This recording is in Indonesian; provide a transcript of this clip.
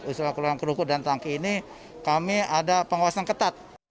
usul kelurahan krukut dan tangki ini kami ada penguasaan ketat